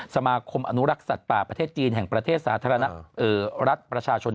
สมาคมอนุรักษ์สัตว์ป่าประเทศจีนแห่งประเทศสาธารณะรัฐประชาชน